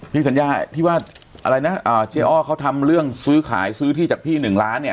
พี่สัญญาพี่ว่าเจ๊อ้อเขาทำเรื่องซื้อขายซื้อที่จากพี่๑ล้านเนี่ย